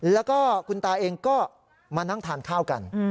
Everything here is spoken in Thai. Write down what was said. แล้วก็คุณตาเองก็มานั่งทานข้าวกัน